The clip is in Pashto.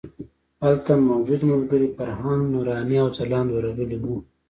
هلته موجود ملګري فرهنګ، نوراني او ځلاند ورغلي وو.